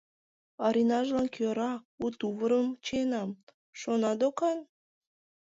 Оринажлан кӧра у тувырым чиенам, шона докан?